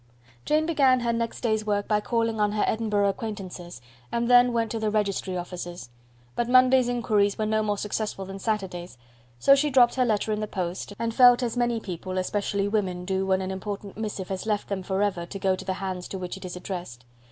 Jane began her next day's work by calling on her Edinburgh acquaintances, and then went to the registry offices; but Monday's inquiries were no more successful than Saturday's; so she dropped her letter in the post, and felt as many people, especially women, do when an important missive has left them for ever to go to the hands to which it is addressed.